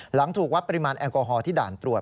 หลังถูกวัดปริมาณแอลกอฮอล์ที่ด่านตรวจ